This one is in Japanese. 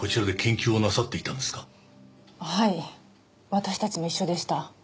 私たちも一緒でした。